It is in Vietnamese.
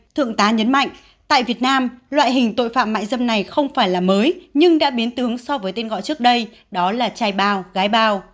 thượng tá nhấn mạnh tại việt nam loại hình tội phạm mại dâm này không phải là mới nhưng đã biến tướng so với tên gọi trước đây đó là chai bào gái bào